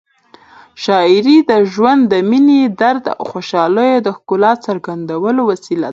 شاعري د ژوند، مینې، درد او خوشحالیو د ښکلا څرګندولو وسیله ده.